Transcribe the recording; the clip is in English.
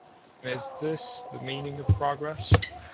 And is this the meaning of progress?